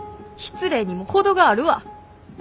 失礼にも程があるわ。